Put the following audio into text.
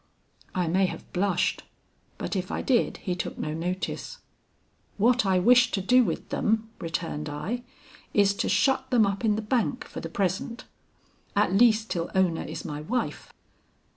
"I may have blushed, but if I did, he took no notice. 'What I wish to do with them,' returned I, 'is to shut them up in the bank for the present, at least till Ona is my wife.'